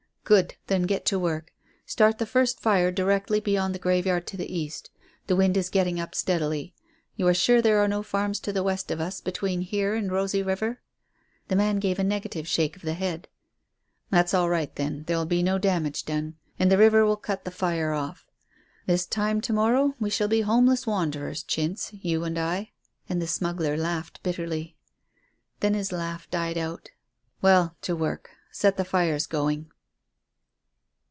"Good. Then get to work. Start the first fire directly beyond the graveyard to the east. The wind is getting up steadily. You are sure there are no farms to the west of us, between here and Rosy River?" The man gave a negative shake of the head. "That's all right then. There will be no damage done. And the river will cut the fire off. This time to morrow we shall be homeless wanderers, Chintz you and I." And the smuggler laughed bitterly. Then his laugh died out. "Well, to work. Set the fires going."